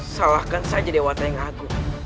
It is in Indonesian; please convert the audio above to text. salahkan saja dewa tengah